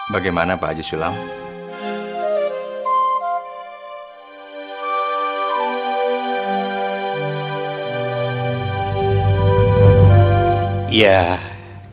bagaimana sudah dideteksi lima billions